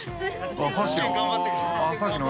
あっさっきの。